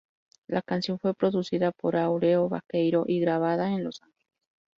La canción fue producida por Áureo Baqueiro y grabada en Los Ángeles.